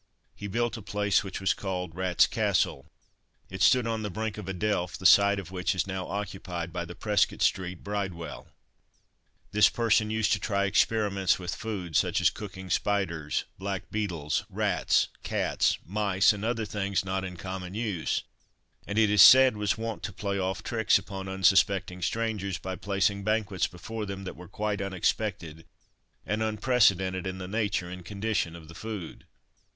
He built a place which was called "Rat's Castle." It stood on the brink of a delf, the site of which is now occupied by the Prescot street Bridewell. This person used to try experiments with food, such as cooking spiders, blackbeetles, rats, cats, mice, and other things not in common use; and, it is said, was wont to play off tricks upon unsuspecting strangers by placing banquets before them that were quite unexpected and unprecedented in the nature and condition of the food.